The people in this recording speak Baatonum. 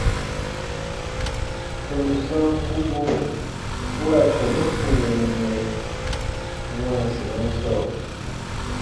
Tɔnu sankubu bu ra tɔnu funɛ wĩɛ wãasinaa sɔɔ.